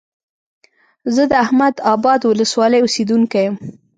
زه د احمد ابا ولسوالۍ اوسيدونکى يم.